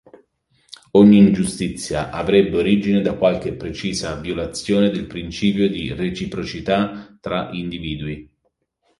Ogni ingiustizia avrebbe origine da qualche precisa violazione del principio di Reciprocità tra individui.